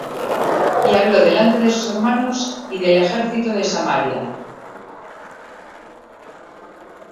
Y habló delante de sus hermanos y del ejército de Samaria